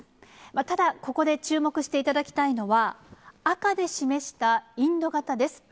ただ、ここで注目していただきたいのは、赤で示したインド型です。